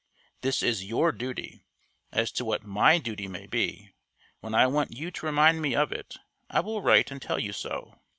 This is your duty. As to what my duty may be, when I want you to remind me of it, I will write and tell you so.